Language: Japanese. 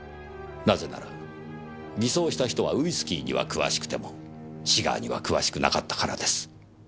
なぜなら偽装した人はウイスキーには詳しくてもシガーには詳しくなかったからです。